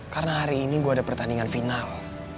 karena hari ini gue ada pertandingan final